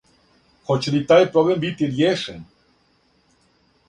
Хоће ли тај проблем бити ријешен?